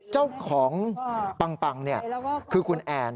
เจ้าของปังคือคุณแอน